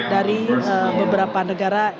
dari beberapa negara